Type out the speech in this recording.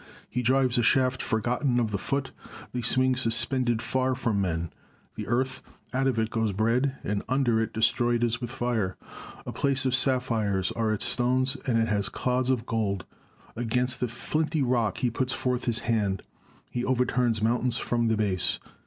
He drives a shaft forgotten of the foot, they swing suspended, far from men ! The earth, out of it goes bread ; and under it is destroyed as with fire. A place of sap phires, are its stones; and it has clods of gold. — Against the flinty rock he puts forth his hand; he overturns mountains from the base.